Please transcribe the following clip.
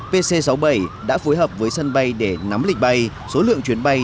pc sáu mươi bảy đã phối hợp với sân bay để nắm lịch bay số lượng chuyến bay